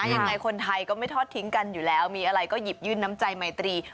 ยังไงคนไทยก็ไม่ทอดทิ้งกันอยู่แล้วมีอะไรก็หยิบยื่นน้ำใจไมตรี